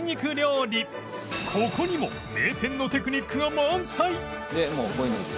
ここにも名店のテクニックが満載！